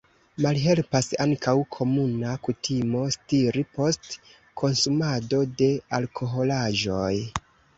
Malhelpas ankaŭ komuna kutimo stiri post konsumado de alkoholaĵoj.